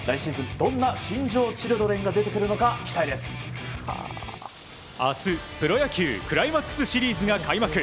どんな新庄チルドレンが明日、プロ野球クライマックスシリーズが開幕。